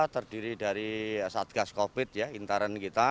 terdiri dari satgas covid ya intern kita